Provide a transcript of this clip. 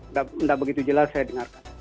nggak begitu jelas saya dengar